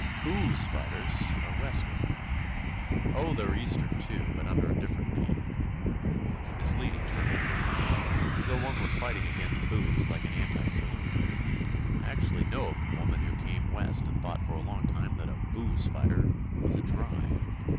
"Booze fighters" are Western. Oh, they're Eastern too, but under a different name. It's a misleading term, that. As though one were fighting against booze like an anti salooner. I actually know of a woman who came West and thought for or a long time that a "booze fighter" was a "Dry."